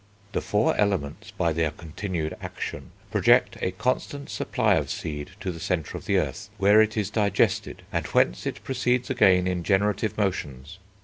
"The four Elements, by their continued action, project a constant supply of seed to the centre of the earth, where it is digested, and whence it proceeds again in generative motions.